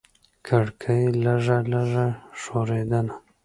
کړکۍ لږه لږه ښورېدله.